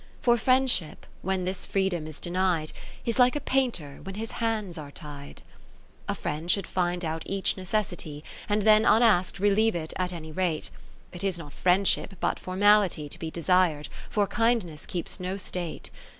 70 For Friendship, when this freedom is denied, Is like a painter when his hands are tied. XIII A friend should find out each necessity, And then unask'd relieve 't at any rate : It is not Friendship, but Formality, To be desir'd : for Kindness keeps no state.